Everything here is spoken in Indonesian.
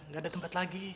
gak ada tempat lagi